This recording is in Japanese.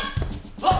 あっ！